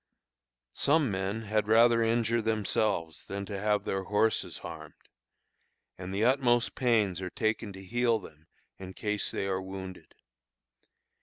Some men had rather injure themselves than have their horses harmed, and the utmost pains are taken to heal them in case they are wounded.